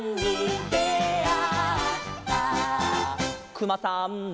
「くまさんの」